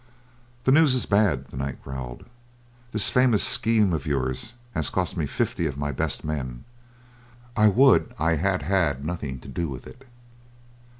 "The news is bad," the knight growled. "This famous scheme of yours has cost me fifty of my best men. I would I had had nothing to do with it."